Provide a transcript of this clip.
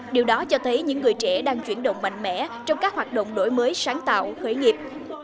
điều đó cho thấy những người trẻ đang chuyển động mạnh mẽ trong các hoạt động đổi mới sáng tạo khởi nghiệp